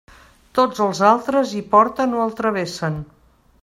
Tots els altres hi porten o el travessen.